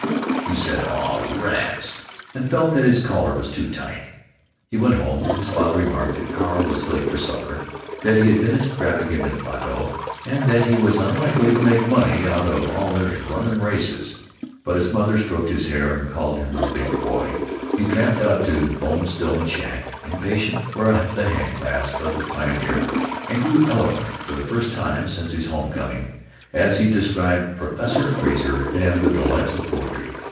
He said, "Aw, rats!" and felt that his collar was too tight.... He went home. His father remarked that Carl was late for supper, that he had been extravagant in Plato, and that he was unlikely to make money out of "all this runnin' races." But his mother stroked his hair and called him her big boy.... He tramped out to Bone Stillman's shack, impatient for the hand clasp of the pioneer, and grew eloquent, for the first time since his home coming, as he described Professor Frazer and the delights of poesy.